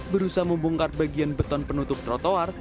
berusaha membongkar bagian beton penutup trotoar